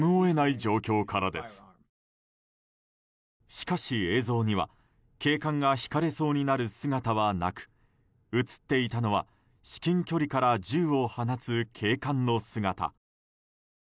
しかし映像には警官がひかれそうになる姿はなく映っていたのは至近距離から銃を放つ警官の姿。